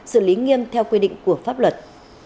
xử lý nghiêm theo quy định của pháp luật